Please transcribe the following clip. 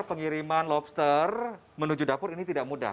pengiriman lobster menuju dapur ini tidak mudah